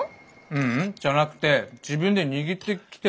ううんじゃなくて自分で握ってきてるみたいっす。